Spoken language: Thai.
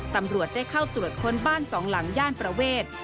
ตำรวจได้เข้าตรวจค้นบ้านสองหลังย่านประเวท